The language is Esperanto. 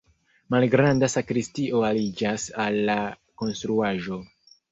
Malgranda sakristio aliĝas al la konstruaĵo.